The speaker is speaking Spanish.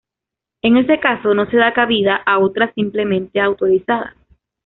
En este caso no se da cabida a otras simplemente autorizadas.